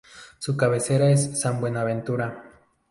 Su cabecera es San Buenaventura.